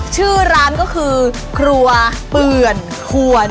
ชื่อร้านก็คือครัวเปื่อนควร